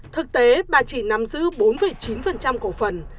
thực tế bà chỉ nắm giữ bốn chín cổ phần